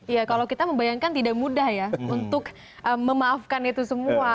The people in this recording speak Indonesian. ya kalau kita membayangkan tidak mudah ya untuk memaafkan itu semua